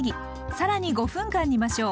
更に５分間煮ましょう。